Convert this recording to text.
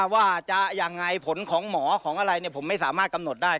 ว่าจะยังไงผลของหมอของอะไรผมไม่สามารถกำหนดได้